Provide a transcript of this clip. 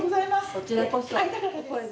こちらこそ。